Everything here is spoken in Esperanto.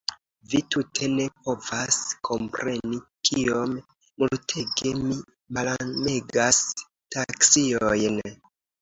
Vi tute ne povas kompreni, kiom multege mi malamegas taksiojn.